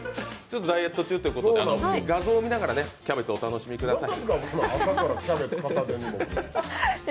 ダイエット中ということで画像を見ながらキャベツをお楽しみください。